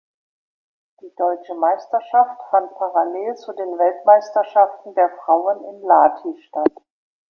Die deutsche Meisterschaft fand parallel zu den Weltmeisterschaften der Frauen in Lahti statt.